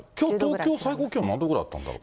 きょう、東京最高気温、何度ぐらいあったんだろう？